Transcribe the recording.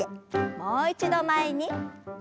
もう一度前に。